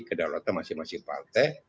kedaulatan masing masing partai